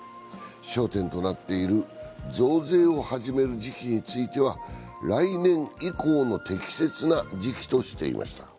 焦点となっている増税を始める時期については来年以降の適切な時期としていました。